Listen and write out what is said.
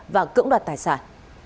và cưỡng đoạt tài sản